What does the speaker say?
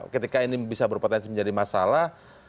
ketika ini bisa berpotensi menjadi masalah